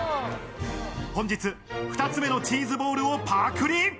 本日２つ目のチーズボールをパクリ。